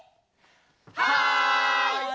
はい！